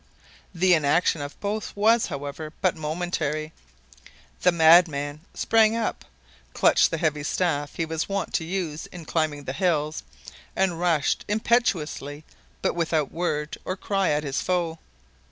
The inaction of both was, however, but momentary. The madman sprang up, clutched the heavy staff he was wont to use in climbing the hills, and rushed impetuously but without word or cry at his foe.